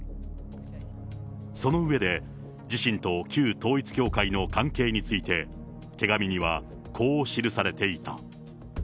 その上で、自身と旧統一教会の関係について、手紙にはこう記されていた。